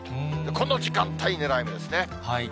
この時間帯、ねらい目ですね。